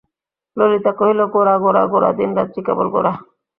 ললিতা কহিল, গোরা, গোরা, গোরা, দিনরাত্রি কেবল গোরা!